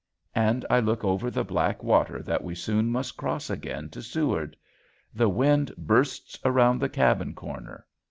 And I look over the black water that we soon must cross again to Seward. The wind bursts around the cabin corner.